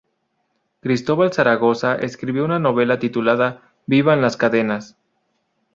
Cristóbal Zaragoza escribió una novela titulada "¡Vivan las cadenas!